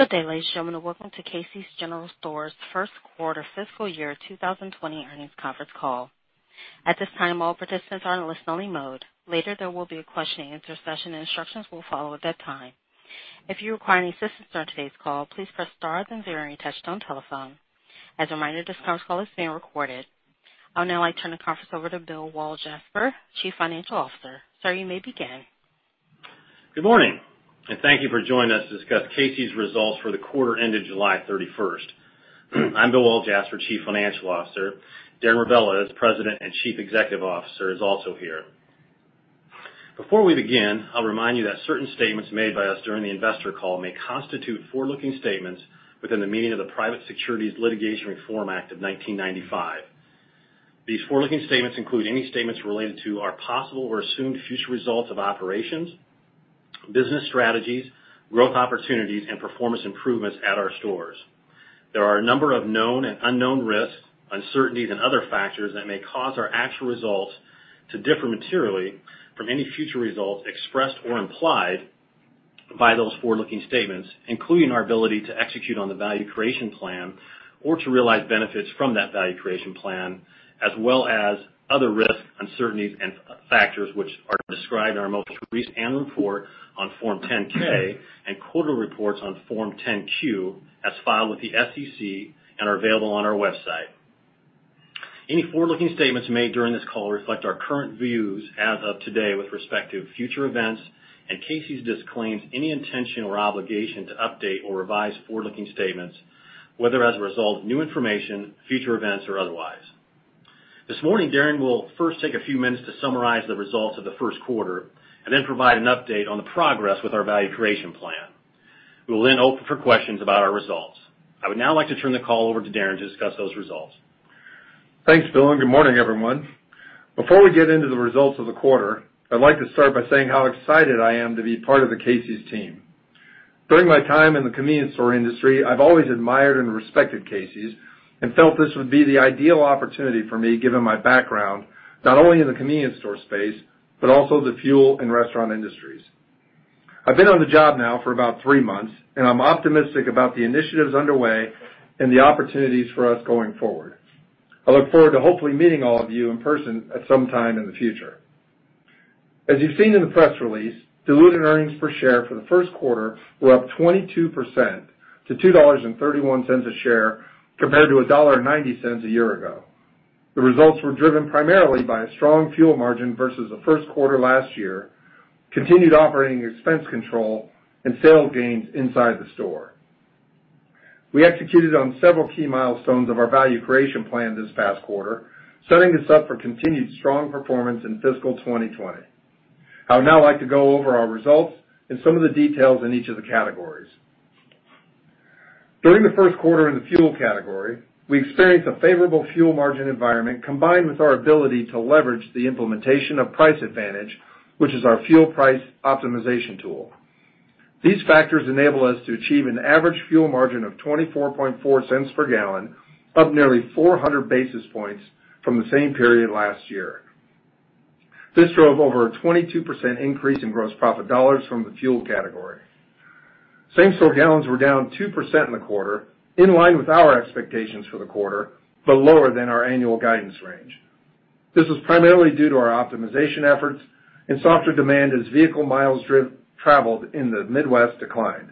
Good day, ladies and gentlemen. Welcome to Casey's General Stores first quarter fiscal year 2020 earnings conference call. At this time, all participants are in listen-only mode. Later, there will be a question-and-answer session, and instructions will follow at that time. If you require any assistance during today's call, please press star then zero on your touch-tone telephone. As a reminder, this conference call is being recorded. I'll now turn the conference over to Bill Walljasper, Chief Financial Officer. Sir, you may begin. Good morning, and thank you for joining us to discuss Casey's results for the quarter ended July 31. I'm Bill Walljasper, Chief Financial Officer. Darren Rebelez, President and Chief Executive Officer, is also here. Before we begin, I'll remind you that certain statements made by us during the investor call may constitute forward-looking statements within the meaning of the Private Securities Litigation Reform Act of 1995. These forward-looking statements include any statements related to our possible or assumed future results of operations, business strategies, growth opportunities, and performance improvements at our stores. There are a number of known and unknown risks, uncertainties, and other factors that may cause our actual results to differ materially from any future results expressed or implied by those forward-looking statements, including our ability to execute on the Value Creation Plan or to realize benefits from that Value Creation Plan, as well as other risks, uncertainties, and factors which are described in our most recent report on Form 10-K and quarterly reports on Form 10-Q as filed with the SEC and are available on our website. Any forward-looking statements made during this call reflect our current views as of today with respect to future events and Casey's disclaims any intention or obligation to update or revise forward-looking statements, whether as a result of new information, future events, or otherwise. This morning, Darren will first take a few minutes to summarize the results of the first quarter and then provide an update on the progress with our Value Creation Plan. We will then open for questions about our results. I would now like to turn the call over to Darren to discuss those results. Thanks, Bill, and good morning, everyone. Before we get into the results of the quarter, I'd like to start by saying how excited I am to be part of the Casey's team. During my time in the convenience store industry, I've always admired and respected Casey's and felt this would be the ideal opportunity for me given my background not only in the convenience store space but also the fuel and restaurant industries. I've been on the job now for about three months, and I'm optimistic about the initiatives underway and the opportunities for us going forward. I look forward to hopefully meeting all of you in person at some time in the future. As you've seen in the press release, diluted earnings per share for the first quarter were up 22% to $2.31 a share compared to $1.90 a year ago. The results were driven primarily by a strong fuel margin versus the first quarter last year, continued operating expense control, and sales gains inside the store. We executed on several key milestones of our Value Creation Plan this past quarter, setting us up for continued strong performance in fiscal 2020. I would now like to go over our results and some of the details in each of the categories. During the first quarter in the fuel category, we experienced a favorable fuel margin environment combined with our ability to leverage the implementation of PriceAdvantage, which is our fuel price optimization tool. These factors enable us to achieve an average fuel margin of $0.244 per gallon, up nearly 400 basis points from the same period last year. This drove over a 22% increase in gross profit dollars from the fuel category. Same-store gallons were down 2% in the quarter, in line with our expectations for the quarter, but lower than our annual guidance range. This was primarily due to our optimization efforts and softer demand as vehicle miles traveled in the Midwest declined.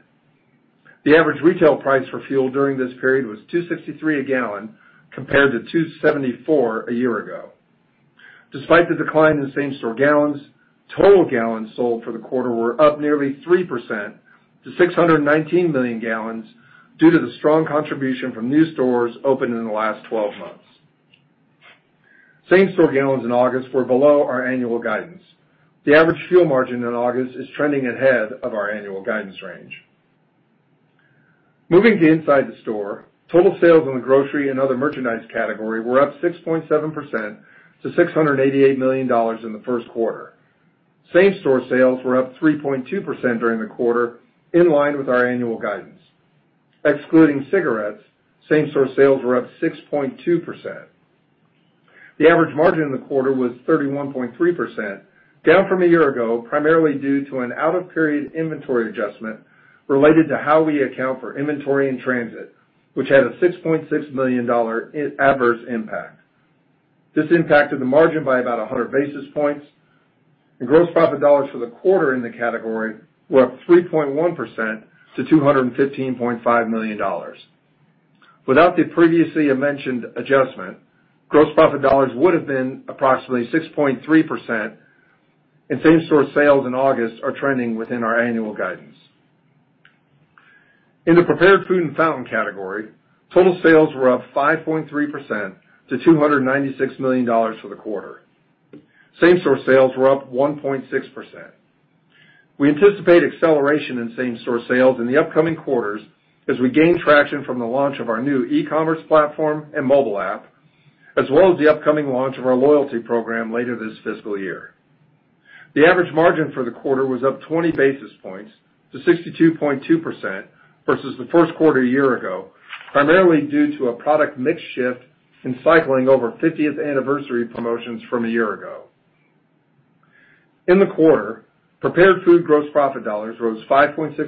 The average retail price for fuel during this period was $2.63 a gallon compared to $2.74 a year ago. Despite the decline in same-store gallons, total gallons sold for the quarter were up nearly 3% to 619 million gallons due to the strong contribution from new stores opened in the last 12 months. Same-store gallons in August were below our annual guidance. The average fuel margin in August is trending ahead of our annual guidance range. Moving to inside the store, total sales in the grocery and other merchandise category were up 6.7% to $688 million in the first quarter. Same-store sales were up 3.2% during the quarter, in line with our annual guidance. Excluding cigarettes, same-store sales were up 6.2%. The average margin in the quarter was 31.3%, down from a year ago primarily due to an out-of-period inventory adjustment related to how we account for inventory in transit, which had a $6.6 million adverse impact. This impacted the margin by about 100 basis points, and gross profit dollars for the quarter in the category were up 3.1% to $215.5 million. Without the previously mentioned adjustment, gross profit dollars would have been approximately 6.3%. Same-store sales in August are trending within our annual guidance. In the prepared food and fountain category, total sales were up 5.3% to $296 million for the quarter. Same-store sales were up 1.6%. We anticipate acceleration in same-store sales in the upcoming quarters as we gain traction from the launch of our new e-commerce platform and mobile app, as well as the upcoming launch of our loyalty program later this fiscal year. The average margin for the quarter was up 20 basis points to 62.2% versus the first quarter a year ago, primarily due to a product mix shift in cycling over 50th anniversary promotions from a year ago. In the quarter, prepared food gross profit dollars rose 5.6%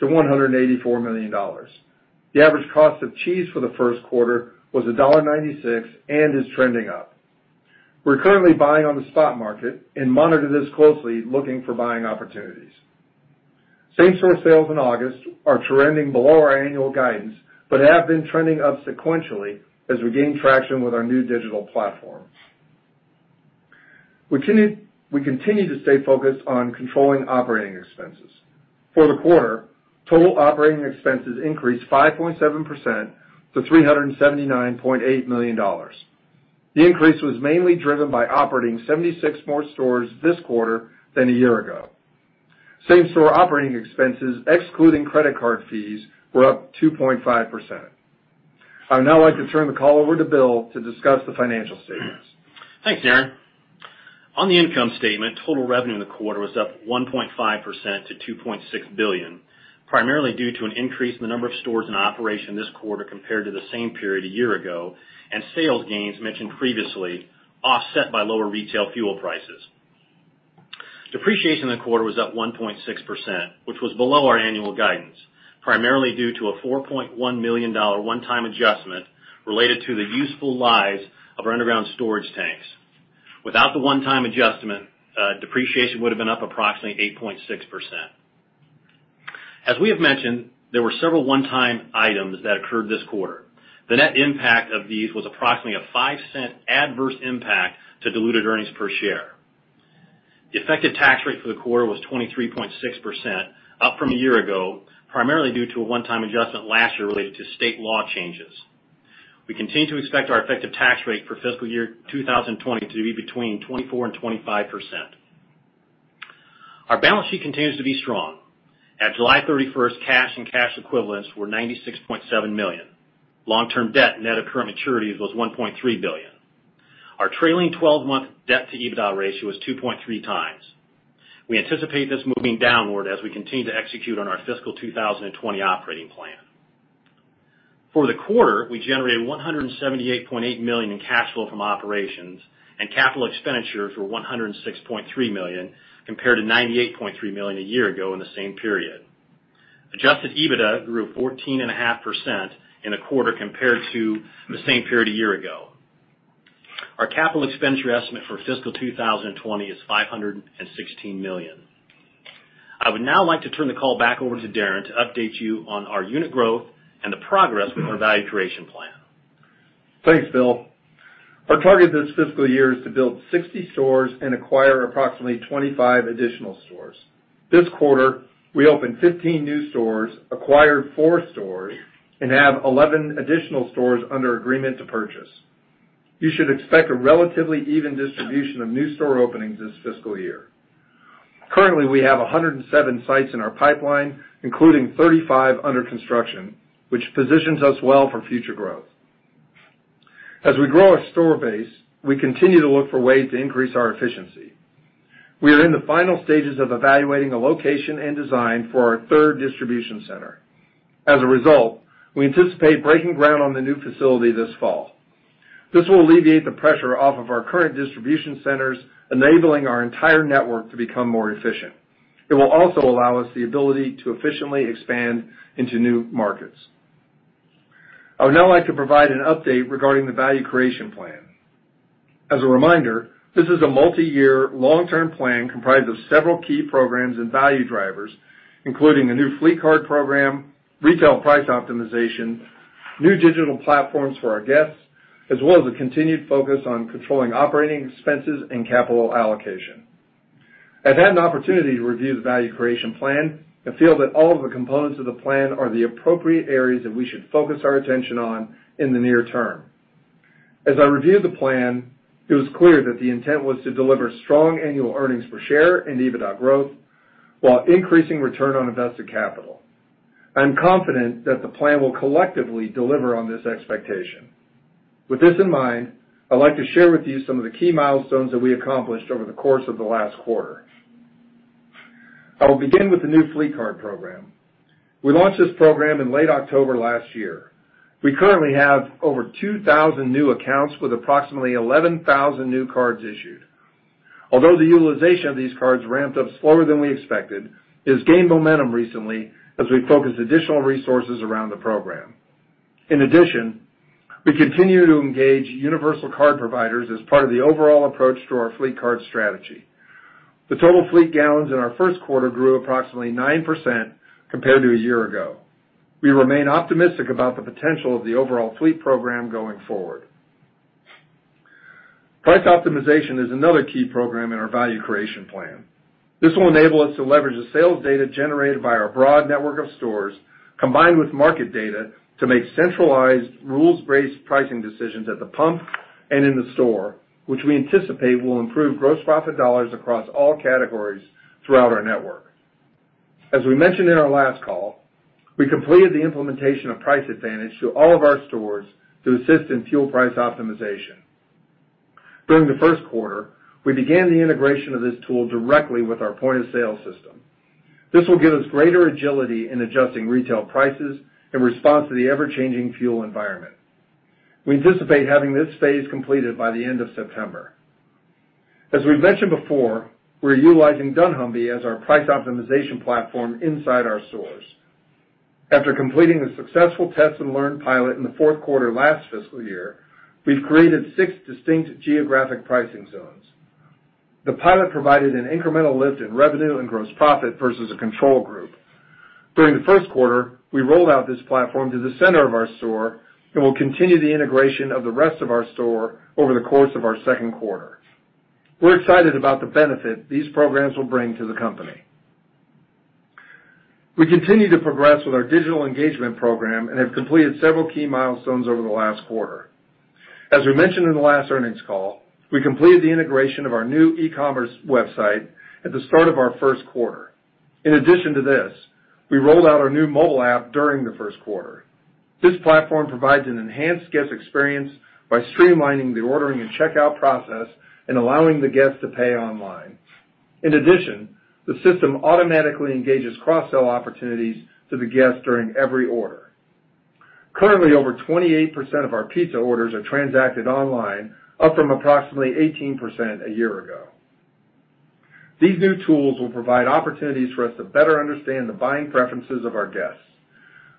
to $184 million. The average cost of cheese for the first quarter was $1.96 and is trending up. We're currently buying on the spot market and monitor this closely, looking for buying opportunities. Same-store sales in August are trending below our annual guidance but have been trending up sequentially as we gain traction with our new digital platform. We continue to stay focused on controlling operating expenses. For the quarter, total operating expenses increased 5.7% to $379.8 million. The increase was mainly driven by operating 76 more stores this quarter than a year ago. Same-store operating expenses, excluding credit card fees, were up 2.5%. I would now like to turn the call over to Bill to discuss the financial statements. Thanks, Darren. On the income statement, total revenue in the quarter was up 1.5% to $2.6 billion, primarily due to an increase in the number of stores in operation this quarter compared to the same period a year ago, and sales gains, mentioned previously, offset by lower retail fuel prices. Depreciation in the quarter was up 1.6%, which was below our annual guidance, primarily due to a $4.1 million one-time adjustment related to the useful lives of our underground storage tanks. Without the one-time adjustment, depreciation would have been up approximately 8.6%. As we have mentioned, there were several one-time items that occurred this quarter. The net impact of these was approximately a 5% adverse impact to diluted earnings per share. The effective tax rate for the quarter was 23.6%, up from a year ago, primarily due to a one-time adjustment last year related to state law changes. We continue to expect our effective tax rate for fiscal year 2020 to be between 24% and 25%. Our balance sheet continues to be strong. At July 31, cash and cash equivalents were $96.7 million. Long-term debt net of current maturities was $1.3 billion. Our trailing 12-month debt-to-EBITDA ratio was 2.3 times. We anticipate this moving downward as we continue to execute on our fiscal 2020 operating plan. For the quarter, we generated $178.8 million in cash flow from operations, and capital expenditures were $106.3 million compared to $98.3 million a year ago in the same period. Adjusted EBITDA grew 14.5% in the quarter compared to the same period a year ago. Our capital expenditure estimate for fiscal 2020 is $516 million. I would now like to turn the call back over to Darren to update you on our unit growth and the progress with our Value Creation Plan. Thanks, Bill. Our target this fiscal year is to build 60 stores and acquire approximately 25 additional stores. This quarter, we opened 15 new stores, acquired 4 stores, and have 11 additional stores under agreement to purchase. You should expect a relatively even distribution of new store openings this fiscal year. Currently, we have 107 sites in our pipeline, including 35 under construction, which positions us well for future growth. As we grow our store base, we continue to look for ways to increase our efficiency. We are in the final stages of evaluating a location and design for our third distribution center. As a result, we anticipate breaking ground on the new facility this fall. This will alleviate the pressure off of our current distribution centers, enabling our entire network to become more efficient. It will also allow us the ability to efficiently expand into new markets. I would now like to provide an update regarding the Value Creation Plan. As a reminder, this is a multi-year, long-term plan comprised of several key programs and value drivers, including a new fleet card program, retail price optimization, new digital platforms for our guests, as well as a continued focus on controlling operating expenses and capital allocation. I've had an opportunity to review the Value Creation Plan and feel that all of the components of the plan are the appropriate areas that we should focus our attention on in the near term. As I reviewed the plan, it was clear that the intent was to deliver strong annual earnings per share and EBITDA growth while increasing return on invested capital. I'm confident that the plan will collectively deliver on this expectation. With this in mind, I'd like to share with you some of the key milestones that we accomplished over the course of the last quarter. I will begin with the new fleet card program. We launched this program in late October last year. We currently have over 2,000 new accounts with approximately 11,000 new cards issued. Although the utilization of these cards ramped up slower than we expected, it has gained momentum recently as we focused additional resources around the program. In addition, we continue to engage universal card providers as part of the overall approach to our fleet card strategy. The total fleet gallons in our first quarter grew approximately 9% compared to a year ago. We remain optimistic about the potential of the overall fleet program going forward. Price optimization is another key program in our Value Creation Plan. This will enable us to leverage the sales data generated by our broad network of stores, combined with market data, to make centralized rules-based pricing decisions at the pump and in the store, which we anticipate will improve gross profit dollars across all categories throughout our network. As we mentioned in our last call, we completed the implementation of PriceAdvantage to all of our stores to assist in fuel price optimization. During the first quarter, we began the integration of this tool directly with our point of sale system. This will give us greater agility in adjusting retail prices in response to the ever-changing fuel environment. We anticipate having this phase completed by the end of September. As we've mentioned before, we're utilizing Dunnhumby as our price optimization platform inside our stores. After completing the successful test-and-learn pilot in the fourth quarter last fiscal year, we've created six distinct geographic pricing zones. The pilot provided an incremental lift in revenue and gross profit versus a control group. During the first quarter, we rolled out this platform to the center of our store and will continue the integration of the rest of our store over the course of our second quarter. We're excited about the benefit these programs will bring to the company. We continue to progress with our digital engagement program and have completed several key milestones over the last quarter. As we mentioned in the last earnings call, we completed the integration of our new e-commerce website at the start of our first quarter. In addition to this, we rolled out our new mobile app during the first quarter. This platform provides an enhanced guest experience by streamlining the ordering and checkout process and allowing the guests to pay online. In addition, the system automatically engages cross-sell opportunities to the guests during every order. Currently, over 28% of our pizza orders are transacted online, up from approximately 18% a year ago. These new tools will provide opportunities for us to better understand the buying preferences of our guests.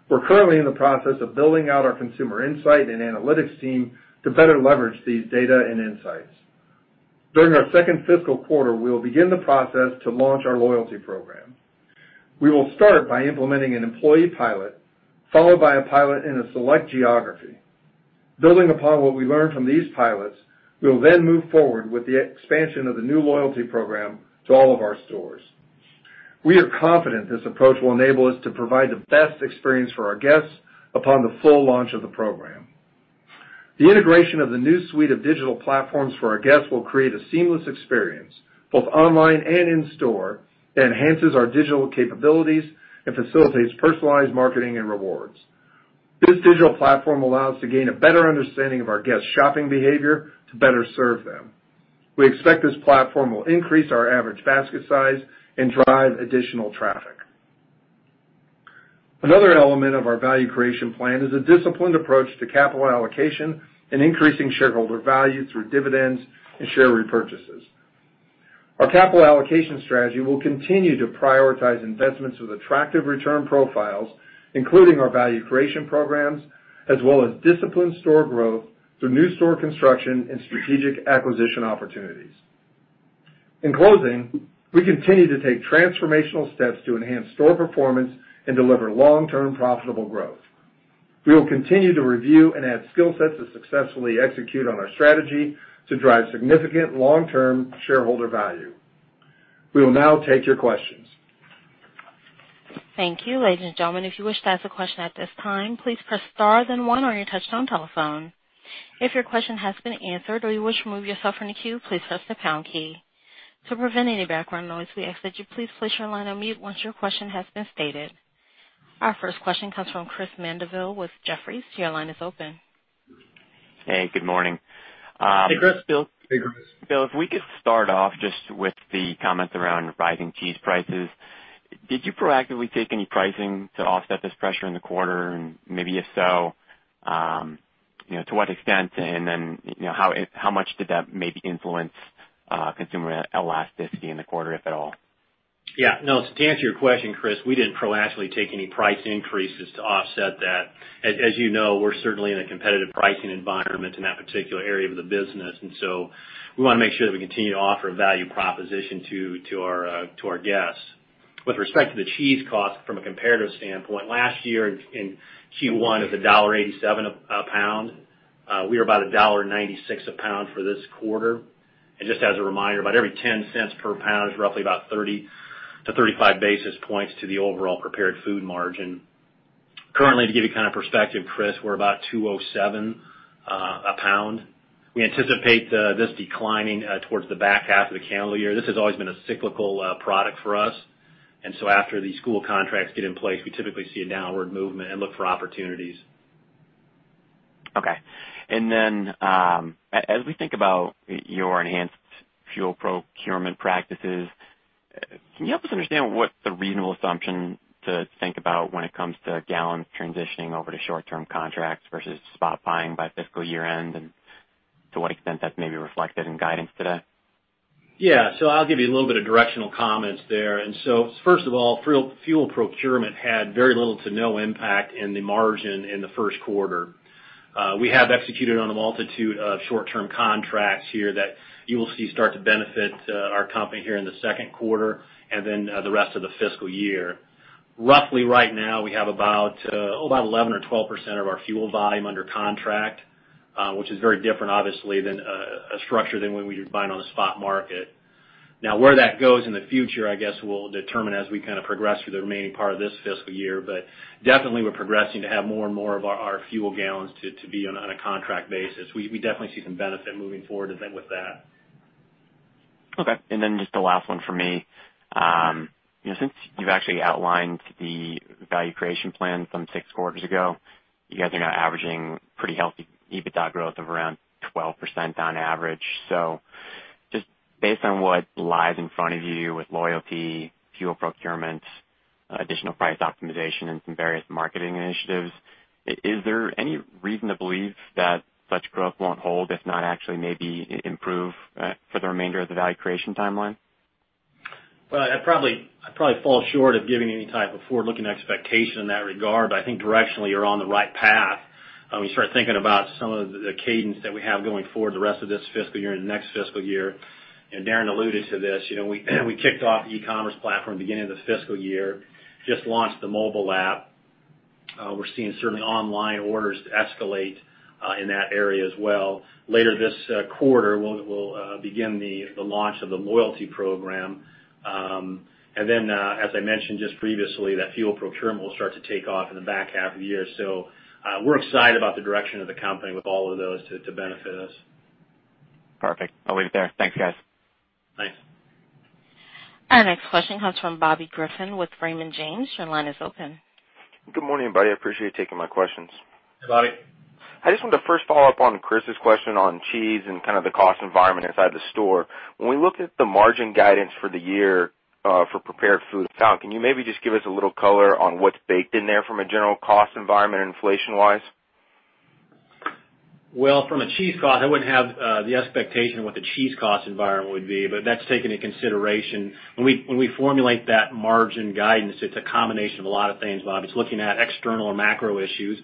We're currently in the process of building out our consumer insight and analytics team to better leverage these data and insights. During our second fiscal quarter, we will begin the process to launch our loyalty program. We will start by implementing an employee pilot, followed by a pilot in a select geography. Building upon what we learned from these pilots, we will then move forward with the expansion of the new loyalty program to all of our stores. We are confident this approach will enable us to provide the best experience for our guests upon the full launch of the program. The integration of the new suite of digital platforms for our guests will create a seamless experience, both online and in-store, that enhances our digital capabilities and facilitates personalized marketing and rewards. This digital platform allows us to gain a better understanding of our guests' shopping behavior to better serve them. We expect this platform will increase our average basket size and drive additional traffic. Another element of our Value Creation Plan is a disciplined approach to capital allocation and increasing shareholder value through dividends and share repurchases. Our capital allocation strategy will continue to prioritize investments with attractive return profiles, including our value creation programs, as well as disciplined store growth through new store construction and strategic acquisition opportunities. In closing, we continue to take transformational steps to enhance store performance and deliver long-term profitable growth. We will continue to review and add skill sets to successfully execute on our strategy to drive significant long-term shareholder value. We will now take your questions. Thank you. Ladies and gentlemen, if you wish to ask a question at this time, please press star then one on your touch-tone telephone. If your question has been answered or you wish to remove yourself from the queue, please press the pound key. To prevent any background noise, we ask that you please place your line on mute once your question has been stated. Our first question comes from Chris Mandeville with Jefferies. Your line is open. Hey, good morning. Hey, Chris. Bill. Hey, Chris. Bill, if we could start off just with the comments around rising cheese prices, did you proactively take any pricing to offset this pressure in the quarter? And maybe if so, to what extent? And then how much did that maybe influence consumer elasticity in the quarter, if at all? Yeah. No. To answer your question, Chris, we did not proactively take any price increases to offset that. As you know, we are certainly in a competitive pricing environment in that particular area of the business. We want to make sure that we continue to offer a value proposition to our guests. With respect to the cheese cost, from a comparative standpoint, last year in Q1, it was $1.87 a pound. We are about $1.96 a pound for this quarter. Just as a reminder, about every 10 cents per pound is roughly about 30-35 basis points to the overall prepared food margin. Currently, to give you kind of perspective, Chris, we're about $2.07 a pound. We anticipate this declining towards the back half of the calendar year. This has always been a cyclical product for us. After these school contracts get in place, we typically see a downward movement and look for opportunities. Okay. As we think about your enhanced fuel procurement practices, can you help us understand what the reasonable assumption to think about when it comes to gallons transitioning over to short-term contracts versus spot buying by fiscal year end? To what extent is that maybe reflected in guidance today? Yeah. I'll give you a little bit of directional comments there. First of all, fuel procurement had very little to no impact in the margin in the first quarter. We have executed on a multitude of short-term contracts here that you will see start to benefit our company here in the second quarter and then the rest of the fiscal year. Roughly right now, we have about 11% or 12% of our fuel volume under contract, which is very different, obviously, than a structure than when we were buying on the spot market. Where that goes in the future, I guess, will determine as we kind of progress through the remaining part of this fiscal year. We are progressing to have more and more of our fuel gallons to be on a contract basis. We definitely see some benefit moving forward with that. Okay. Just the last one for me. Since you've actually outlined the Value Creation Plan from six quarters ago, you guys are now averaging pretty healthy EBITDA growth of around 12% on average. Just based on what lies in front of you with loyalty, fuel procurement, additional price optimization, and some various marketing initiatives, is there any reason to believe that such growth won't hold, if not actually maybe improve for the remainder of the value creation timeline? I probably fall short of giving any type of forward-looking expectation in that regard. I think directionally, you're on the right path. When you start thinking about some of the cadence that we have going forward the rest of this fiscal year and the next fiscal year, Darren alluded to this. We kicked off the e-commerce platform at the beginning of the fiscal year, just launched the mobile app. We're seeing certainly online orders escalate in that area as well. Later this quarter, we'll begin the launch of the loyalty program. As I mentioned just previously, that fuel procurement will start to take off in the back half of the year. We are excited about the direction of the company with all of those to benefit us. Perfect. I'll leave it there. Thanks, guys. Thanks. Our next question comes from Bobby Griffin with Raymond James. Your line is open. Good morning, everybody. I appreciate you taking my questions. Hey, Bobby. I just want to first follow up on Chris's question on cheese and kind of the cost environment inside the store. When we look at the margin guidance for the year for prepared food, can you maybe just give us a little color on what's baked in there from a general cost environment inflation-wise? From a cheese cost, I wouldn't have the expectation of what the cheese cost environment would be. That's taken into consideration. When we formulate that margin guidance, it's a combination of a lot of things, Bobby. It's looking at external or macro issues.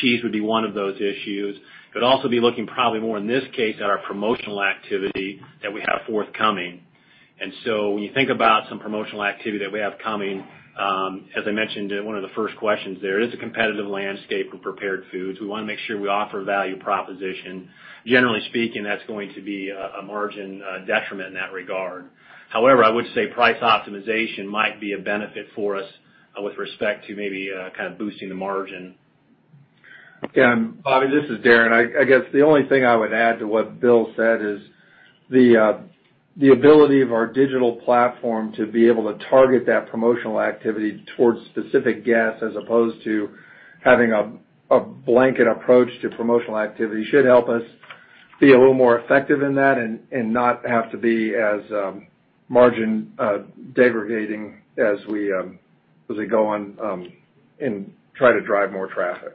Cheese would be one of those issues. It would also be looking probably more in this case at our promotional activity that we have forthcoming. When you think about some promotional activity that we have coming, as I mentioned in one of the first questions there, it is a competitive landscape for prepared foods. We want to make sure we offer value proposition. Generally speaking, that's going to be a margin detriment in that regard. However, I would say price optimization might be a benefit for us with respect to maybe kind of boosting the margin. Yeah. Bobby, this is Darren I guess. The only thing I would add to what Bill said is the ability of our digital platform to be able to target that promotional activity towards specific guests as opposed to having a blanket approach to promotional activity should help us be a little more effective in that and not have to be as margin-degrading as we go on and try to drive more traffic.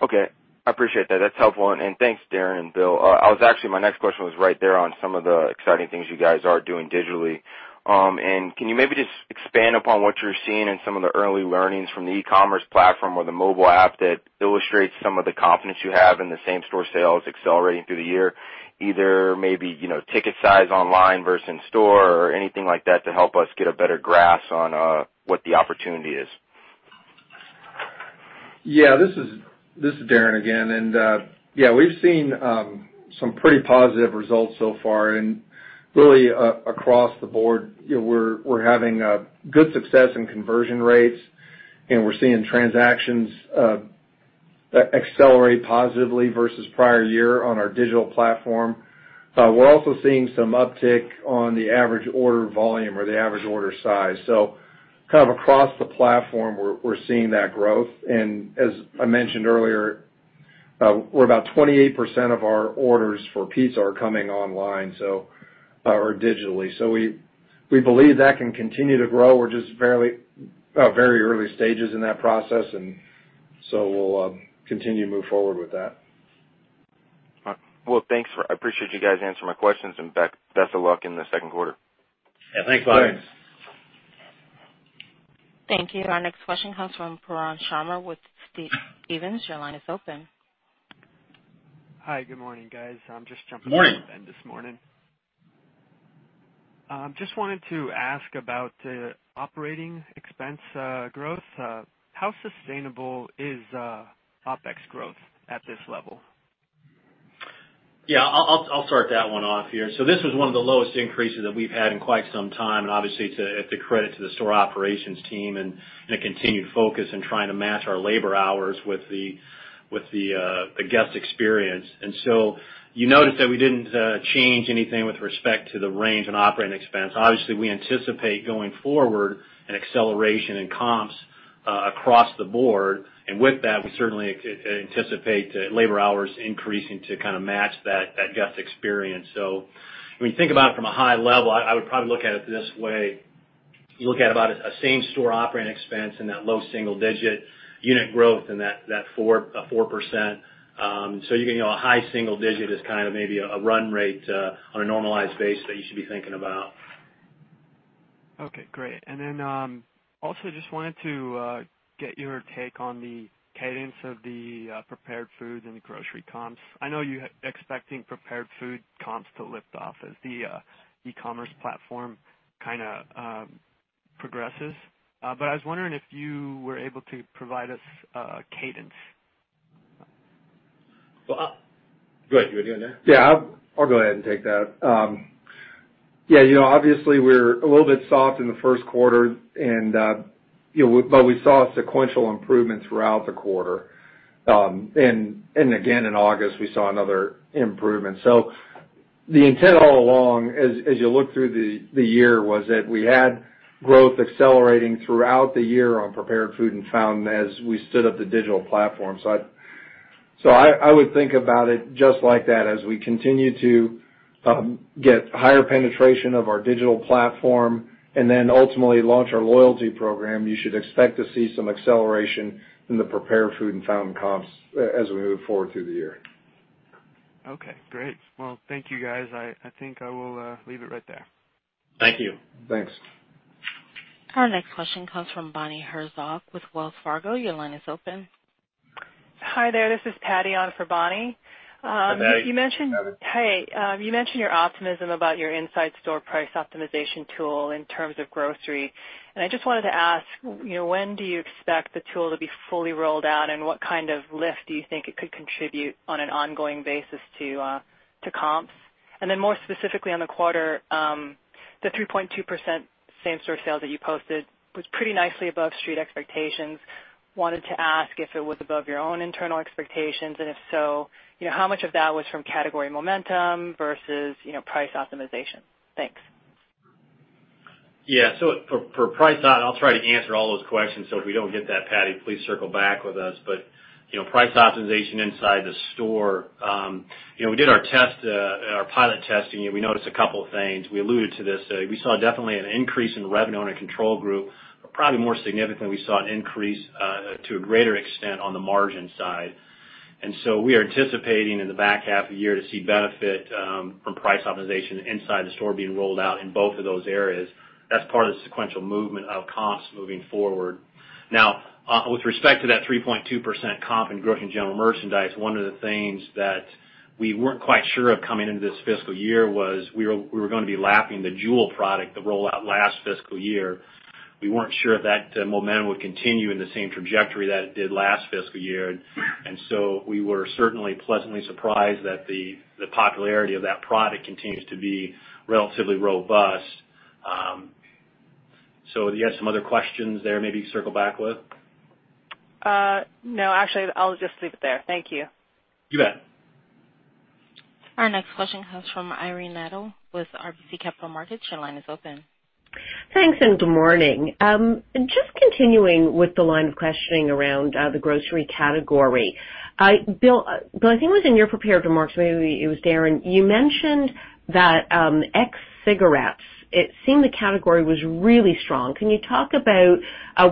Okay. I appreciate that. That's helpful. Thanks, Darren and Bill. Actually, my next question was right there on some of the exciting things you guys are doing digitally. Can you maybe just expand upon what you're seeing in some of the early learnings from the e-commerce platform or the mobile app that illustrates some of the confidence you have in the same-store sales accelerating through the year? Either maybe ticket size online versus in-store or anything like that to help us get a better grasp on what the opportunity is. Yeah. This is Darren again. Yeah, we've seen some pretty positive results so far. Really, across the board, we're having good success in conversion rates. We're seeing transactions accelerate positively versus prior year on our digital platform. We're also seeing some uptick on the average order volume or the average order size. Kind of across the platform, we're seeing that growth. As I mentioned earlier, we're about 28% of our orders for pizza are coming online or digitally. We believe that can continue to grow. We're just very early stages in that process. We'll continue to move forward with that. Thanks. I appreciate you guys answering my questions. Best of luck in the second quarter. Yeah. Thanks, Bobby. Thank you. Our next question comes from Brian Sharma with Stephens. Your line is open. Hi. Good morning, guys. I'm just jumping in. Good morning. Just wanted to ask about operating expense growth. How sustainable is OpEx growth at this level? Yeah. I'll start that one off here. This was one of the lowest increases that we've had in quite some time. Obviously, it's a credit to the store operations team and a continued focus in trying to match our labor hours with the guest experience. You noticed that we did not change anything with respect to the range in operating expense. Obviously, we anticipate going forward an acceleration in comps across the board. With that, we certainly anticipate labor hours increasing to kind of match that guest experience. When you think about it from a high level, I would probably look at it this way. You look at about a same-store operating expense and that low single-digit unit growth and that 4%. A high single digit is kind of maybe a run rate on a normalized base that you should be thinking about. Okay. Great. Also, just wanted to get your take on the cadence of the prepared foods and the grocery comps. I know you're expecting prepared food comps to lift off as the e-commerce platform kind of progresses. I was wondering if you were able to provide us cadence. Go ahead. You were doing that. Yeah. I'll go ahead and take that. Yeah. Obviously, we're a little bit soft in the first quarter. We saw a sequential improvement throughout the quarter. Again, in August, we saw another improvement. The intent all along, as you look through the year, was that we had growth accelerating throughout the year on prepared food and found as we stood up the digital platform. I would think about it just like that. As we continue to get higher penetration of our digital platform and then ultimately launch our loyalty program, you should expect to see some acceleration in the prepared food and found comps as we move forward through the year. Okay. Great. Thank you, guys. I think I will leave it right there. Thank you. Thanks. Our next question comes from Bonnie Herzog with Wells Fargo. Your line is open. Hi, there. This is Patty on for Bonnie. Hey. You mentioned your optimism about your inside store price optimization tool in terms of grocery. I just wanted to ask, when do you expect the tool to be fully rolled out? What kind of lift do you think it could contribute on an ongoing basis to comps? More specifically on the quarter, the 3.2% same-store sales that you posted was pretty nicely above street expectations. I wanted to ask if it was above your own internal expectations. If so, how much of that was from category momentum versus price optimization? Thanks. Yeah. For price op, I'll try to answer all those questions. If we do not get that, Patty, please circle back with us. Price optimization inside the store, we did our pilot testing. We noticed a couple of things. We alluded to this. We saw definitely an increase in revenue on a control group, probably more significant than we saw an increase to a greater extent on the margin side. We are anticipating in the back half of the year to see benefit from price optimization inside the store being rolled out in both of those areas. That is part of the sequential movement of comps moving forward. Now, with respect to that 3.2% comp in grocery and general merchandise, one of the things that we were not quite sure of coming into this fiscal year was we were going to be lapping the JUUL product that rolled out last fiscal year. We were not sure if that momentum would continue in the same trajectory that it did last fiscal year. We were certainly pleasantly surprised that the popularity of that product continues to be relatively robust. Do you have some other questions there maybe to circle back with? No. Actually, I'll just leave it there. Thank you. You bet. Our next question comes from Irene Nattel with RBC Capital Markets. Your line is open. Thanks. And good morning. Just continuing with the line of questioning around the grocery category, Bill, I think it was in your prepared remarks, maybe it was Darren, you mentioned that ex-cigarettes, it seemed the category was really strong. Can you talk about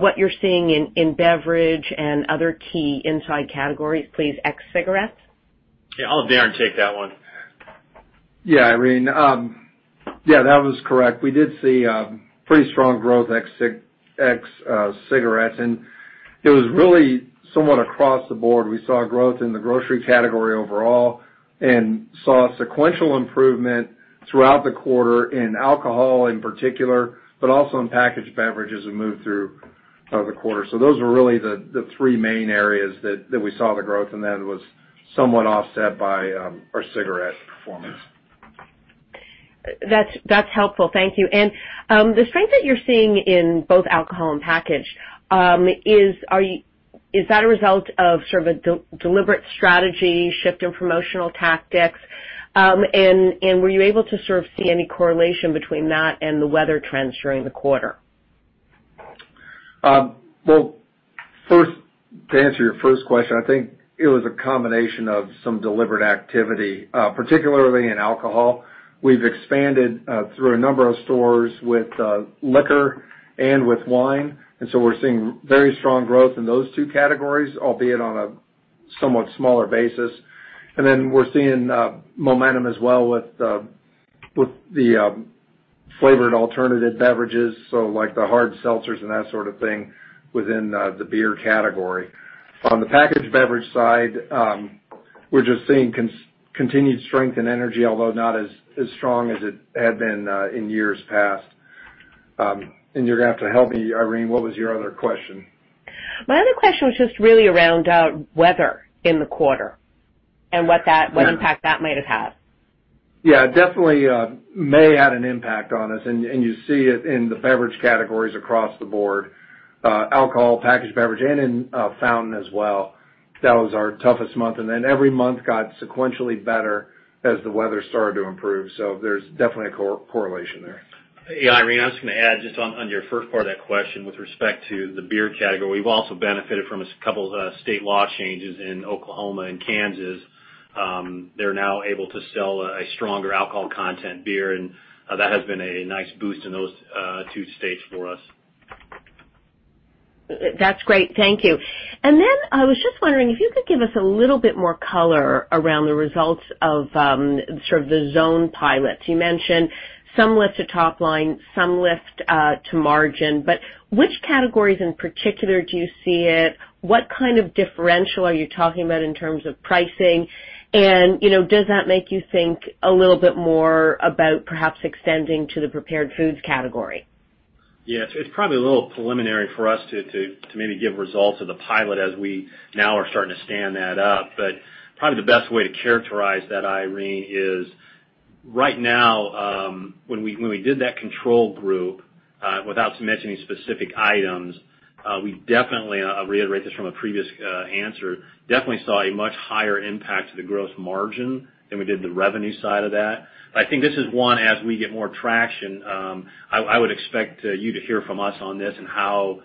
what you're seeing in beverage and other key inside categories, please? Ex-cigarettes? Yeah. I'll let Darren take that one. Yeah. Irene. Yeah. That was correct. We did see pretty strong growth ex-cigarettes. And it was really somewhat across the board. We saw growth in the grocery category overall and saw sequential improvement throughout the quarter in alcohol in particular, but also in packaged beverages as we moved through the quarter. Those were really the three main areas that we saw the growth. It was somewhat offset by our cigarette performance. That's helpful. Thank you. The strength that you're seeing in both alcohol and package, is that a result of sort of a deliberate strategy, shift in promotional tactics? Were you able to sort of see any correlation between that and the weather trends during the quarter? To answer your first question, I think it was a combination of some deliberate activity, particularly in alcohol. We've expanded through a number of stores with liquor and with wine. We are seeing very strong growth in those two categories, albeit on a somewhat smaller basis. We're seeing momentum as well with the flavored alternative beverages, like the hard seltzers and that sort of thing within the beer category. On the packaged beverage side, we're just seeing continued strength and energy, although not as strong as it had been in years past. You're going to have to help me, Irene. What was your other question? My other question was just really around weather in the quarter and what impact that might have had. Yeah. Definitely May had an impact on us. You see it in the beverage categories across the board, alcohol, packaged beverage, and in fountain as well. That was our toughest month. Every month got sequentially better as the weather started to improve. There's definitely a correlation there. Yeah. Irene, I was going to add just on your first part of that question with respect to the beer category. We have also benefited from a couple of state law changes in Oklahoma and Kansas. They are now able to sell a stronger alcohol content beer. That has been a nice boost in those two states for us. That's great. Thank you. I was just wondering if you could give us a little bit more color around the results of sort of the zone pilots. You mentioned some lift to top line, some lift to margin. Which categories in particular do you see it? What kind of differential are you talking about in terms of pricing? Does that make you think a little bit more about perhaps extending to the prepared foods category? Yeah. It's probably a little preliminary for us to maybe give results of the pilot as we now are starting to stand that up. Probably the best way to characterize that, Irene, is right now when we did that control group, without submitting any specific items, we definitely—I will reiterate this from a previous answer—definitely saw a much higher impact to the gross margin than we did the revenue side of that. I think this is one as we get more traction. I would expect you to hear from us on this and how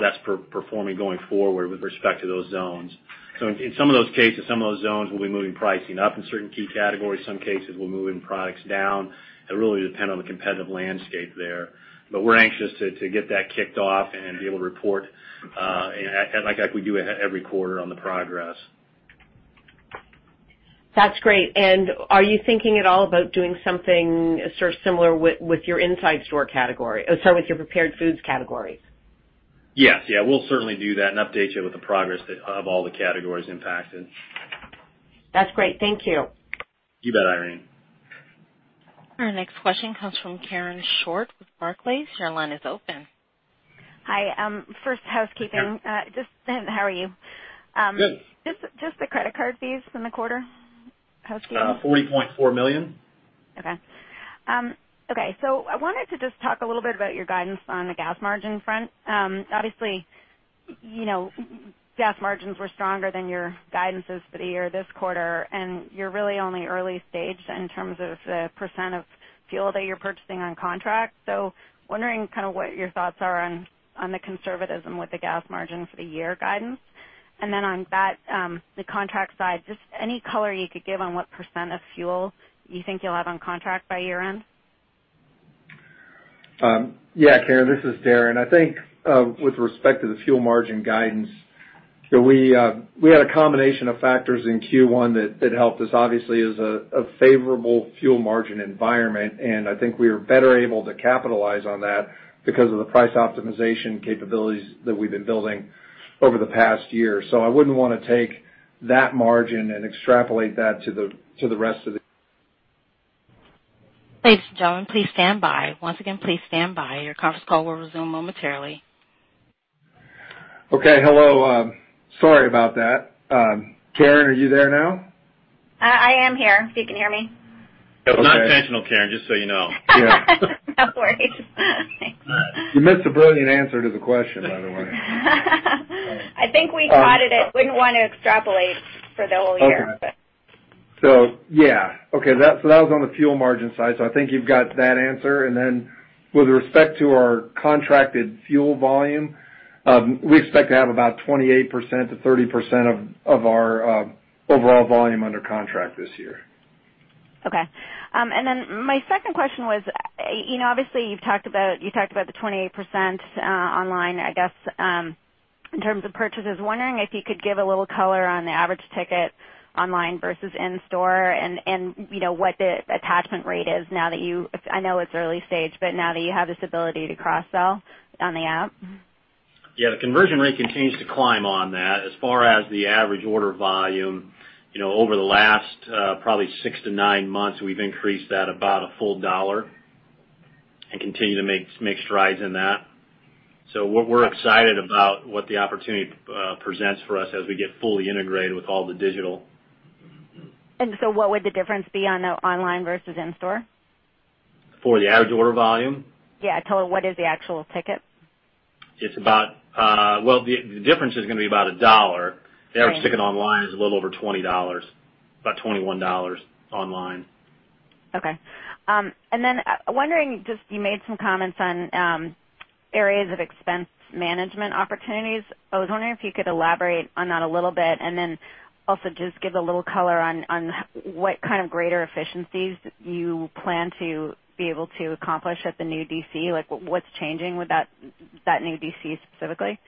that's performing going forward with respect to those zones. In some of those cases, some of those zones will be moving pricing up in certain key categories. In some cases, we will move products down. It really depends on the competitive landscape there. We're anxious to get that kicked off and be able to report like we do every quarter on the progress. That's great. Are you thinking at all about doing something sort of similar with your inside store category—sorry, with your prepared foods categories? Yes. Yeah. We'll certainly do that and update you with the progress of all the categories impacted. That's great. Thank you. You bet, Irene. Our next question comes from Karen Short with Barclays. Your line is open. Hi. First, housekeeping. Just how are you? Good. Just the credit card fees in the quarter? Housekeeping. $40.4 million. Okay. Okay. I wanted to just talk a little bit about your guidance on the gas margin front. Obviously, gas margins were stronger than your guidances for the year this quarter. You're really only early stage in terms of the percent of fuel that you're purchasing on contract. Wondering what your thoughts are on the conservatism with the gas margin for the year guidance. On the contract side, any color you could give on what percent of fuel you think you'll have on contract by year-end? Yeah. Karen, this is Darren. I think with respect to the fuel margin guidance, we had a combination of factors in Q1 that helped us. Obviously, it was a favorable fuel margin environment. I think we are better able to capitalize on that because of the price optimization capabilities that we've been building over the past year. I wouldn't want to take that margin and extrapolate that to the rest of the. Thanks, John. Please stand by. Once again, please stand by. Your conference call will resume momentarily. Okay. Hello. Sorry about that. Karen, are you there now? I am here. You can hear me? Not intentional, Karen, just so you know. Yeah. No worries. You missed a brilliant answer to the question, by the way. I think we caught it. I would not want to extrapolate for the whole year, but. Okay. That was on the fuel margin side. I think you have that answer. With respect to our contracted fuel volume, we expect to have about 28%-30% of our overall volume under contract this year. Okay. My second question was, obviously, you have talked about the 28% online, I guess, in terms of purchases. Wondering if you could give a little color on the average ticket online versus in-store and what the attachment rate is now that you—I know it's early stage—but now that you have this ability to cross-sell on the app. Yeah. The conversion rate continues to climb on that. As far as the average order volume, over the last probably six to nine months, we've increased that about a full dollar and continue to make strides in that. We are excited about what the opportunity presents for us as we get fully integrated with all the digital. What would the difference be on the online versus in-store? For the average order volume? Yeah. What is the actual ticket? The difference is going to be about a dollar. The average ticket online is a little over $20, about $21 online. Okay. You made some comments on areas of expense management opportunities. I was wondering if you could elaborate on that a little bit and also just give a little color on what kind of greater efficiencies you plan to be able to accomplish at the new DC, like what's changing with that new DC specifically?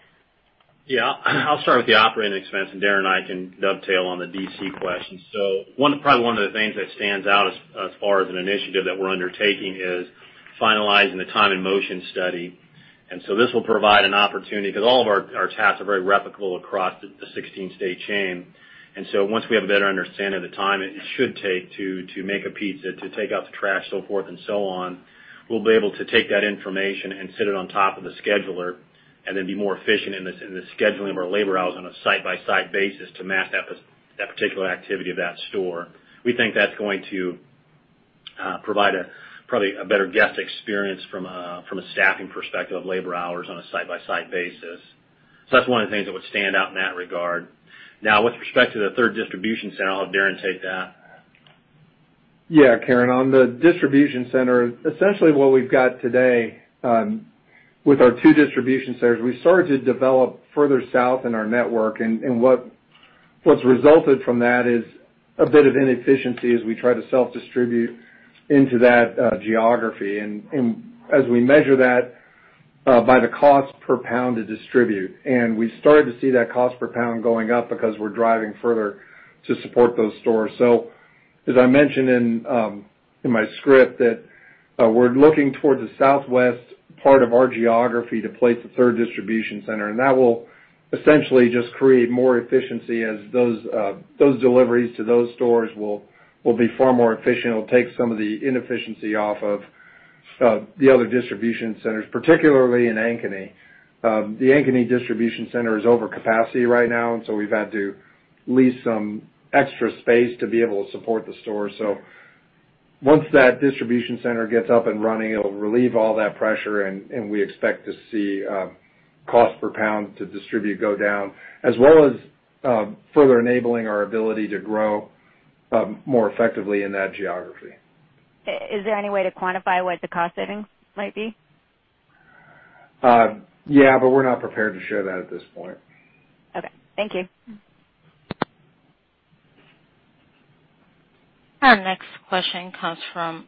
Yeah. I'll start with the operating expense. Darren and I can dovetail on the DC question. Probably one of the things that stands out as far as an initiative that we're undertaking is finalizing the time and motion study. This will provide an opportunity because all of our tasks are very replicable across the 16-state chain. Once we have a better understanding of the time it should take to make a pizza, to take out the trash, so forth and so on, we'll be able to take that information and sit it on top of the scheduler and then be more efficient in the scheduling of our labor hours on a side-by-side basis to match that particular activity of that store. We think that's going to provide probably a better guest experience from a staffing perspective of labor hours on a side-by-side basis. That's one of the things that would stand out in that regard. Now, with respect to the third distribution center, I'll have Darren take that. Yeah. Karen, on the distribution center, essentially what we've got today with our two distribution centers, we started to develop further south in our network. What's resulted from that is a bit of inefficiency as we try to self-distribute into that geography. As we measure that by the cost per pound to distribute, we started to see that cost per pound going up because we're driving further to support those stores. As I mentioned in my script, we're looking towards the southwest part of our geography to place the third distribution center. That will essentially just create more efficiency as those deliveries to those stores will be far more efficient. It'll take some of the inefficiency off of the other distribution centers, particularly in Ankeny. The Ankeny distribution center is over capacity right now, and we've had to lease some extra space to be able to support the store. Once that distribution center gets up and running, it'll relieve all that pressure. We expect to see cost per pound to distribute go down, as well as further enabling our ability to grow more effectively in that geography. Is there any way to quantify what the cost savings might be? Yeah. But we're not prepared to share that at this point. Okay. Thank you. Our next question comes from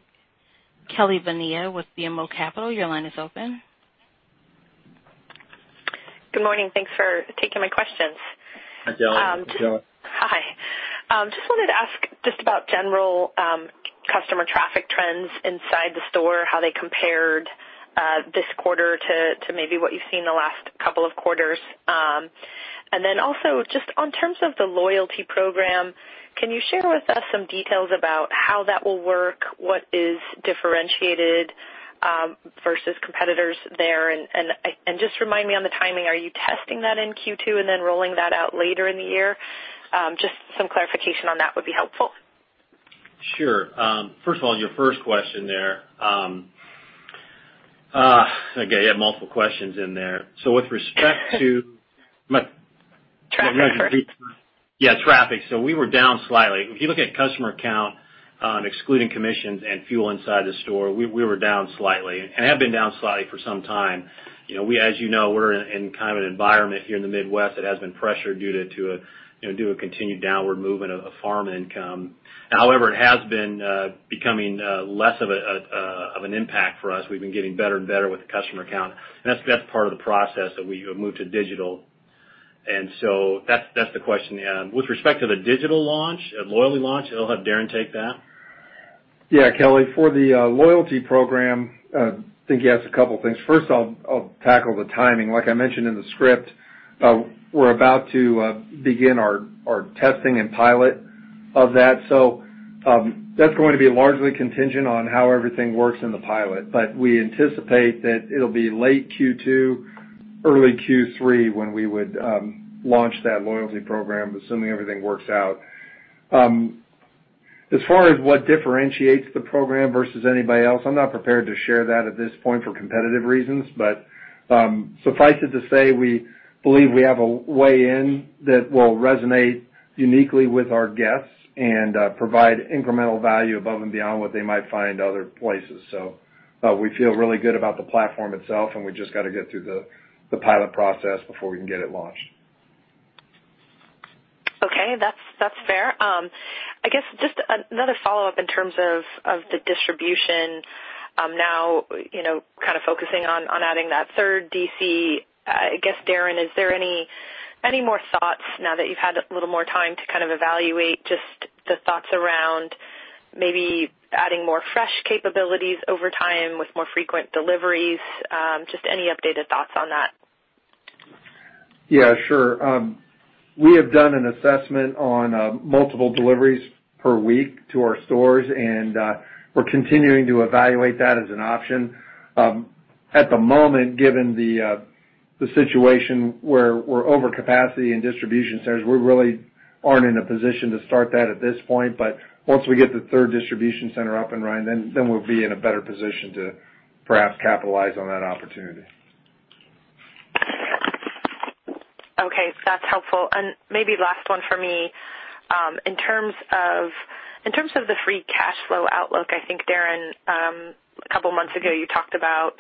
Kelly Bania with BMO Capital Markets. Your line is open. Good morning. Thanks for taking my questions. Hi, Darren. Hi. Just wanted to ask just about general customer traffic trends inside the store, how they compared this quarter to maybe what you've seen the last couple of quarters. And then also just on terms of the loyalty program, can you share with us some details about how that will work, what is differentiated versus competitors there? And just remind me on the timing. Are you testing that in Q2 and then rolling that out later in the year? Just some clarification on that would be helpful. Sure. First of all, your first question there. Again, you have multiple questions in there. With respect to traffic, yeah, traffic. We were down slightly. If you look at customer count, excluding commissions and fuel inside the store, we were down slightly and have been down slightly for some time. As you know, we're in kind of an environment here in the Midwest that has been pressured due to a continued downward movement of farm income. However, it has been becoming less of an impact for us. We've been getting better and better with the customer count, and that's part of the process that we moved to digital. That's the question. With respect to the digital launch, loyalty launch, I'll have Darren take that. Yeah. Kelly, for the loyalty program, I think you asked a couple of things. First, I'll tackle the timing. Like I mentioned in the script, we're about to begin our testing and pilot of that. That's going to be largely contingent on how everything works in the pilot. We anticipate that it'll be late Q2, early Q3 when we would launch that loyalty program, assuming everything works out. As far as what differentiates the program versus anybody else, I'm not prepared to share that at this point for competitive reasons. Suffice it to say, we believe we have a way in that will resonate uniquely with our guests and provide incremental value above and beyond what they might find other places. We feel really good about the platform itself. We just got to get through the pilot process before we can get it launched. Okay. That's fair. I guess just another follow-up in terms of the distribution. Now, kind of focusing on adding that third DC. I guess, Darren, is there any more thoughts now that you've had a little more time to kind of evaluate just the thoughts around maybe adding more fresh capabilities over time with more frequent deliveries? Just any updated thoughts on that? Yeah. Sure. We have done an assessment on multiple deliveries per week to our stores. We're continuing to evaluate that as an option. At the moment, given the situation where we're over capacity in distribution centers, we really aren't in a position to start that at this point. Once we get the third distribution center up and running, we'll be in a better position to perhaps capitalize on that opportunity. Okay. That's helpful. Maybe last one for me. In terms of the free cash flow outlook, I think, Darren, a couple of months ago, you talked about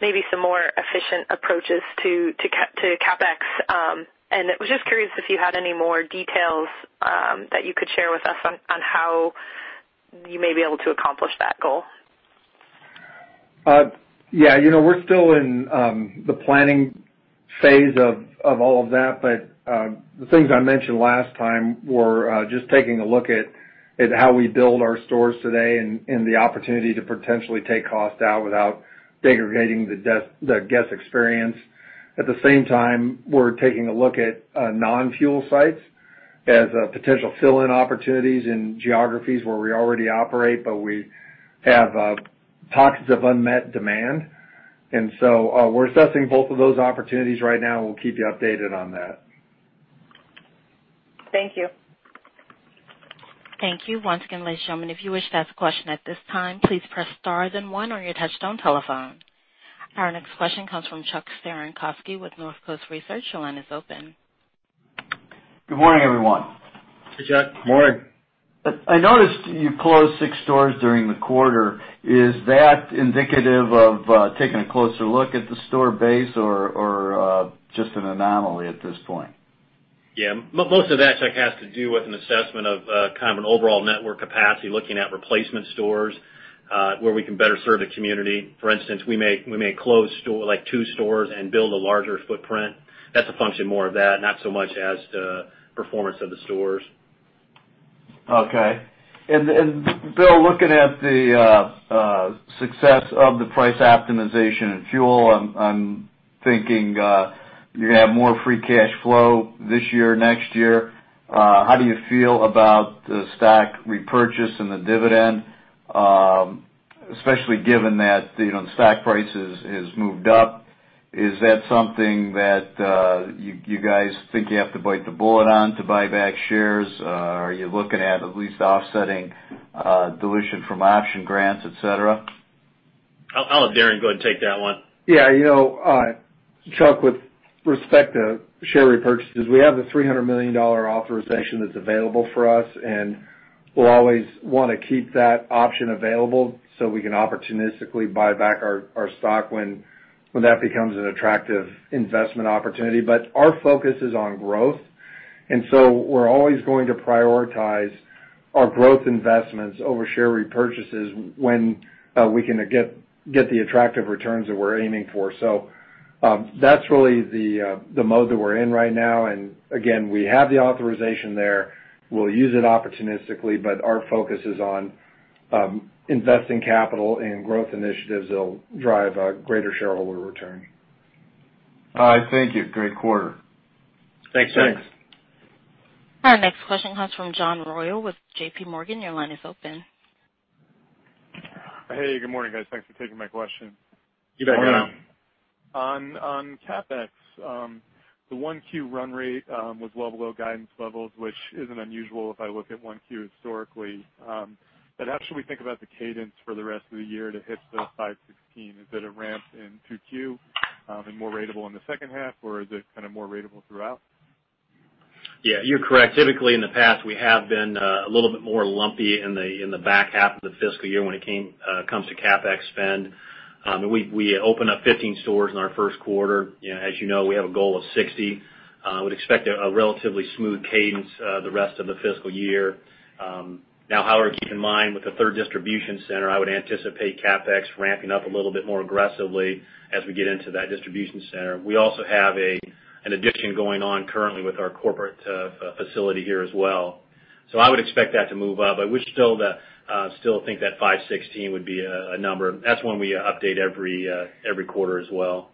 maybe some more efficient approaches to CapEx. I was just curious if you had any more details that you could share with us on how you may be able to accomplish that goal. Yeah. We're still in the planning phase of all of that. The things I mentioned last time were just taking a look at how we build our stores today and the opportunity to potentially take cost out without degrading the guest experience. At the same time, we're taking a look at non-fuel sites as potential fill-in opportunities in geographies where we already operate, but we have pockets of unmet demand. We're assessing both of those opportunities right now. We'll keep you updated on that. Thank you. Thank you. Once again, ladies and gentlemen, if you wish to ask a question at this time, please press star then one on your touch-tone telephone. Our next question comes from Chuck Cerankosky with North Coast Research. Your line is open. Good morning, everyone. Hey, Chuck. Good morning. I noticed you closed six stores during the quarter. Is that indicative of taking a closer look at the store base or just an anomaly at this point? Yeah. Most of that, Chuck, has to do with an assessment of kind of an overall network capacity, looking at replacement stores where we can better serve the community. For instance, we may close two stores and build a larger footprint. That's a function more of that, not so much as the performance of the stores. Okay. And Bill, looking at the success of the price optimization and fuel, I'm thinking you're going to have more free cash flow this year, next year. How do you feel about the stock repurchase and the dividend, especially given that the stock price has moved up? Is that something that you guys think you have to bite the bullet on to buy back shares? Are you looking at at least offsetting dilution from option grants, etc.? I'll let Darren go ahead and take that one. Yeah. Chuck, with respect to share repurchases, we have the $300 million authorization that's available for us. We'll always want to keep that option available so we can opportunistically buy back our stock when that becomes an attractive investment opportunity. Our focus is on growth. We're always going to prioritize our growth investments over share repurchases when we can get the attractive returns that we're aiming for. That's really the mode that we're in right now. Again, we have the authorization there. We'll use it opportunistically. Our focus is on investing capital in growth initiatives that'll drive a greater shareholder return. All right. Thank you. Great quarter. Thanks, Darren. Thanks. Our next question comes from John Royall with J.P. Morgan. Your line is open. Hey. Good morning, guys. Thanks for taking my question. You bet. How are you? On CapEx, the 1Q run rate was well below guidance levels, which isn't unusual if I look at 1Q historically. How should we think about the cadence for the rest of the year to hit the $516? Is it a ramp in 2Q and more ratable in the second half, or is it kind of more ratable throughout? Yeah. You're correct. Typically, in the past, we have been a little bit more lumpy in the back half of the fiscal year when it comes to CapEx spend. We opened up 15 stores in our first quarter. As you know, we have a goal of 60. We'd expect a relatively smooth cadence the rest of the fiscal year. Now, however, keep in mind, with the third distribution center, I would anticipate CapEx ramping up a little bit more aggressively as we get into that distribution center. We also have an addition going on currently with our corporate facility here as well. I would expect that to move up. I still think that 516 would be a number. That's one we update every quarter as well.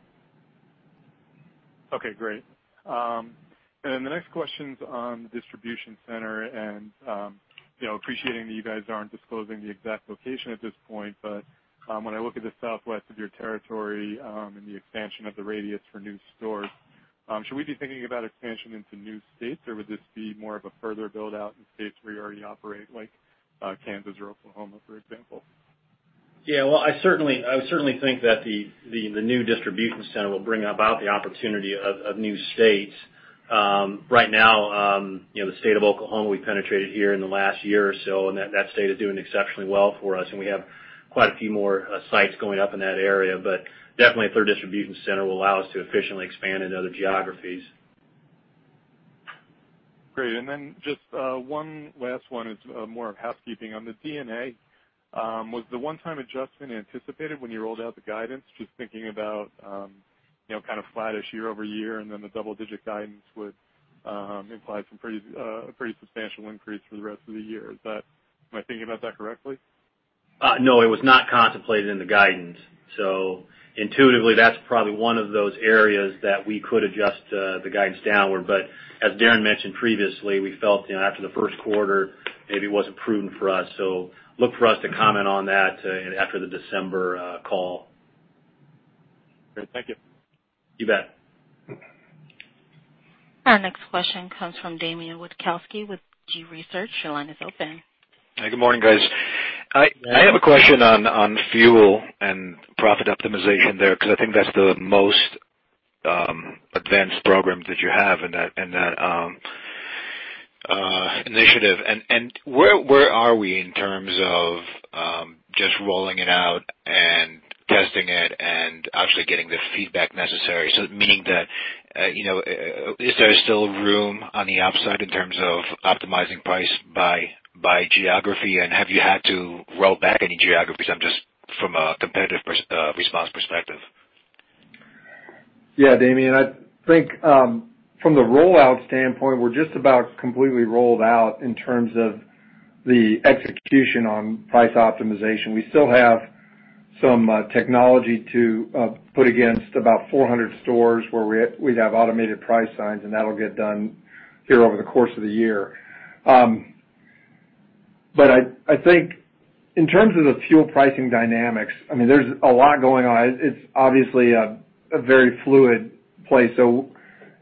Okay. Great. The next question's on the distribution center. Appreciating that you guys aren't disclosing the exact location at this point, when I look at the southwest of your territory and the expansion of the radius for new stores, should we be thinking about expansion into new states, or would this be more of a further build-out in states where you already operate, like Kansas or Oklahoma, for example? Yeah. I certainly think that the new distribution center will bring about the opportunity of new states. Right now, the state of Oklahoma, we penetrated here in the last year or so. That state is doing exceptionally well for us. We have quite a few more sites going up in that area. A third distribution center will allow us to efficiently expand into other geographies. Great. One last one is more of housekeeping. On the D&A, was the one-time adjustment anticipated when you rolled out the guidance? Just thinking about kind of flat-ish year over year, and the double-digit guidance would imply some pretty substantial increase for the rest of the year. Am I thinking about that correctly? No, it was not contemplated in the guidance. Intuitively, that's probably one of those areas that we could adjust the guidance downward. As Darren mentioned previously, we felt after the first quarter, maybe it was not prudent for us. Look for us to comment on that after the December call. Great. Thank you. You bet. Our next question comes from Damian Witkowski with G. Research. Your line is open. Hi. Good morning, guys. I have a question on fuel and profit optimization there because I think that's the most advanced program that you have in that initiative. Where are we in terms of just rolling it out and testing it and actually getting the feedback necessary? Meaning, is there still room on the upside in terms of optimizing price by geography? Have you had to roll back any geographies from a competitive response perspective? Yeah. Damian, I think from the rollout standpoint, we're just about completely rolled out in terms of the execution on price optimization. We still have some technology to put against about 400 stores where we'd have automated price signs. That'll get done here over the course of the year. I think in terms of the fuel pricing dynamics, I mean, there's a lot going on. It's obviously a very fluid place.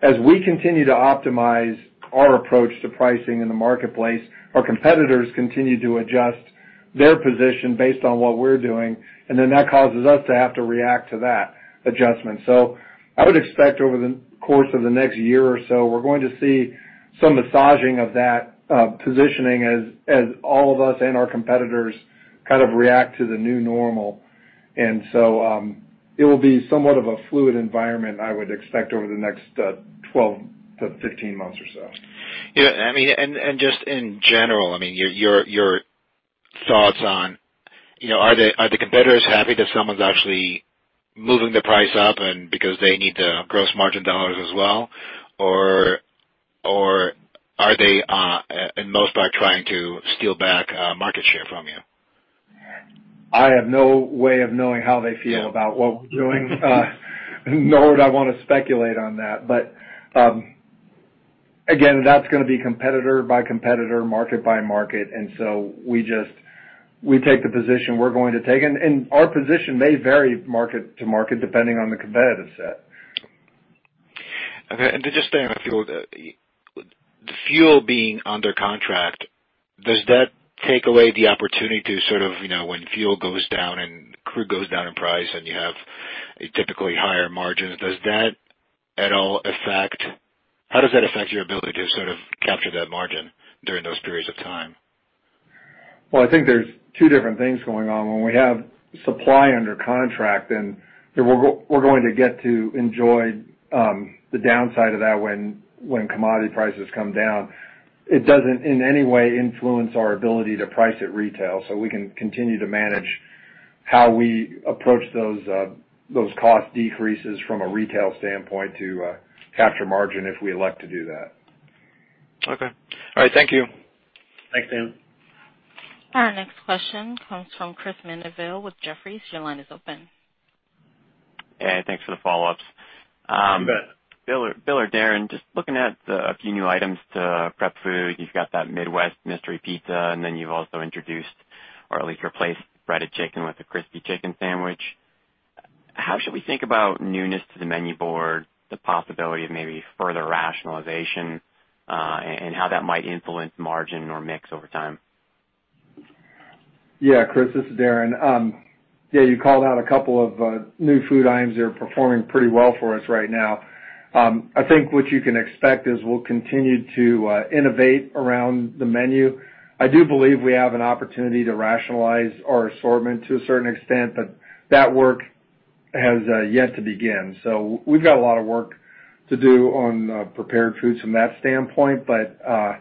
As we continue to optimize our approach to pricing in the marketplace, our competitors continue to adjust their position based on what we're doing. That causes us to have to react to that adjustment. I would expect over the course of the next year or so, we're going to see some massaging of that positioning as all of us and our competitors kind of react to the new normal. It will be somewhat of a fluid environment, I would expect, over the next 12-15 months or so. Yeah. I mean, and just in general, I mean, your thoughts on are the competitors happy that someone's actually moving the price up because they need the gross margin dollars as well? Are they, in most part, trying to steal back market share from you? I have no way of knowing how they feel about what we're doing. Nor would I want to speculate on that. That is going to be competitor by competitor, market by market. We take the position we're going to take. Our position may vary market to market depending on the competitive set. Okay. Just staying on fuel, the fuel being under contract, does that take away the opportunity to sort of when fuel goes down and crude goes down in price and you have typically higher margins, does that at all affect how does that affect your ability to sort of capture that margin during those periods of time? I think there are two different things going on. When we have supply under contract, then we're going to get to enjoy the downside of that when commodity prices come down. It doesn't in any way influence our ability to price at retail. We can continue to manage how we approach those cost decreases from a retail standpoint to capture margin if we elect to do that. Okay. All right. Thank you. Thanks, Darren. Our next question comes from Chris Mandeville with Jefferies. Your line is open. Hey. Thanks for the follow-ups. You bet. Bill or Darren, just looking at a few new items to prep food. You've got that Midwest Mystery Pizza. Then you've also introduced, or at least replaced, Breaded Chicken with a Crispy Chicken Sandwich. How should we think about newness to the menu board, the possibility of maybe further rationalization, and how that might influence margin or mix over time? Yeah. Chris, this is Darren. Yeah. You called out a couple of new food items that are performing pretty well for us right now. I think what you can expect is we'll continue to innovate around the menu. I do believe we have an opportunity to rationalize our assortment to a certain extent. That work has yet to begin. We have a lot of work to do on prepared foods from that standpoint. I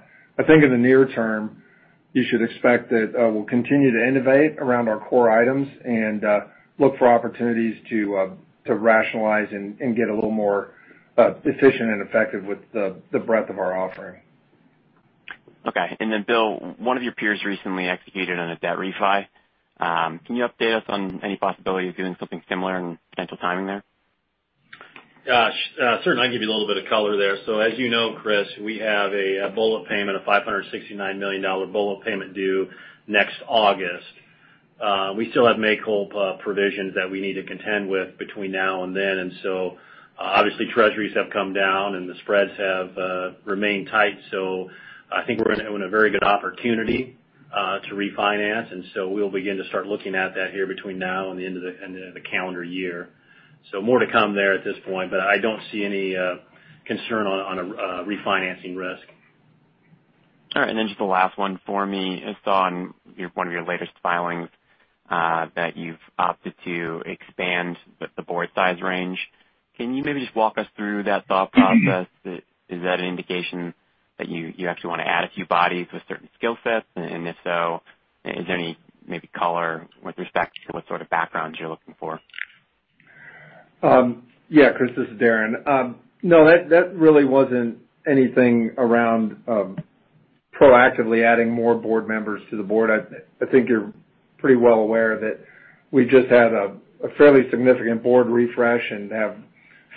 think in the near term, you should expect that we'll continue to innovate around our core items and look for opportunities to rationalize and get a little more efficient and effective with the breadth of our offering. Okay. Bill, one of your peers recently executed on a debt refi. Can you update us on any possibility of doing something similar and potential timing there? Certainly, I can give you a little bit of color there. As you know, Chris, we have a $569 million bullet payment due next August. We still have make-whole provisions that we need to contend with between now and then. Obviously, treasuries have come down, and the spreads have remained tight. I think we're in a very good opportunity to refinance. We'll begin to start looking at that here between now and the end of the calendar year. More to come there at this point. I don't see any concern on a refinancing risk. All right. Just the last one for me. I saw on one of your latest filings that you've opted to expand the board size range. Can you maybe just walk us through that thought process? Is that an indication that you actually want to add a few bodies with certain skill sets? And if so, is there any maybe color with respect to what sort of backgrounds you're looking for? Yeah. Chris, this is Darren. No, that really wasn't anything around proactively adding more board members to the board. I think you're pretty well aware that we just had a fairly significant board refresh and have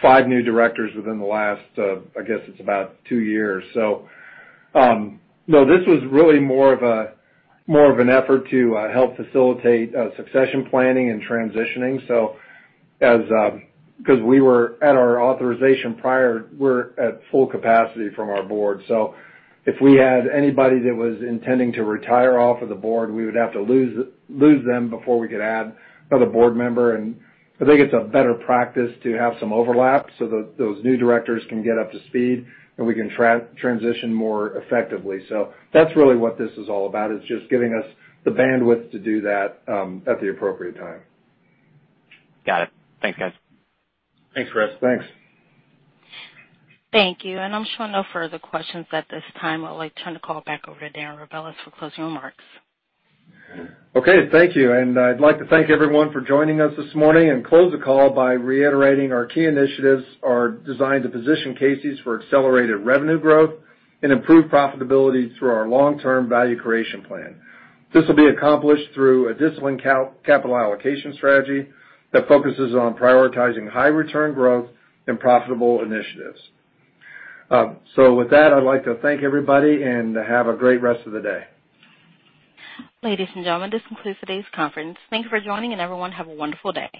five new directors within the last, I guess, it's about two years. No, this was really more of an effort to help facilitate succession planning and transitioning. Because we were at our authorization prior, we're at full capacity from our board. If we had anybody that was intending to retire off of the board, we would have to lose them before we could add another board member. I think it's a better practice to have some overlap so that those new directors can get up to speed and we can transition more effectively. That's really what this is all about. It's just giving us the bandwidth to do that at the appropriate time. Got it. Thanks, guys. Thanks, Chris. Thanks. Thank you. I'm showing no further questions at this time. I'll turn the call back over to Darren Rebelez for closing remarks. Thank you. I'd like to thank everyone for joining us this morning and close the call by reiterating our key initiatives are designed to position Casey's for accelerated revenue growth and improved profitability through our long-term Value Creation Plan. This will be accomplished through a disciplined capital allocation strategy that focuses on prioritizing high-return growth and profitable initiatives. With that, I'd like to thank everybody and have a great rest of the day. Ladies and gentlemen, this concludes today's conference. Thank you for joining. Everyone, have a wonderful day.